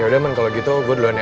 yaudah men kalo gitu gue duluan ya